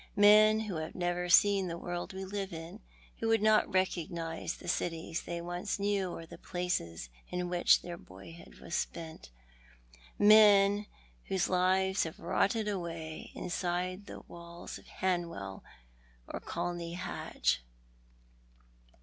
Men who have never seen the world we live in ; who would not recognise the cities they once knew or the places in which their boyhood was spent. Men whose lives have rotted away inside tlie walls of Ilanwell or Colney Hatch."